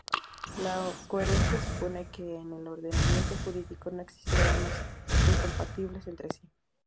La coherencia supone que en el ordenamiento jurídico no existen normas incompatibles entre sí.